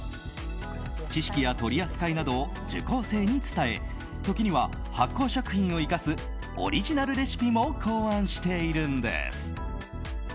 知識や取り扱いなどを受講生に伝え時には発酵食品を生かすオリジナルレシピも考案しているんです。